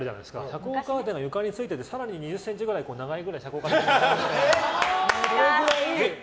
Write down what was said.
遮光カーテンが床についてて更に２０ｃｍぐらい長い遮光カーテン。